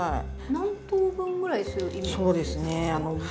何等分ぐらいするイメージですか？